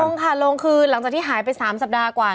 ลงค่ะลงคือหลังจากที่หายไป๓สัปดาห์กว่า